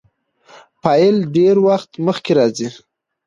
فاعل ډېرى وخت مخکي راځي.